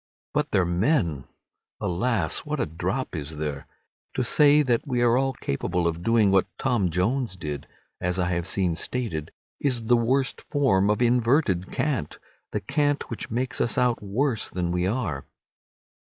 But their men! Alas, what a drop is there! To say that we are all capable of doing what Tom Jones did—as I have seen stated—is the worst form of inverted cant, the cant which makes us out worse than we are.